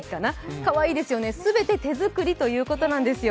かわいいですよね、全て手作りということなんですよ。